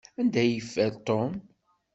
Anda ay yeffer Tom?